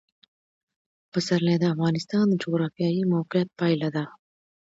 پسرلی د افغانستان د جغرافیایي موقیعت پایله ده.